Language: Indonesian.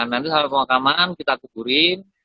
nanti setelah pemakaman kita kuburin